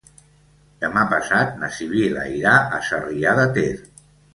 Demà passat na Sibil·la irà a Sarrià de Ter.